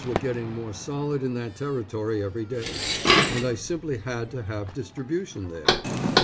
were getting more solid in that territory every day, and I simply had to have distribution there.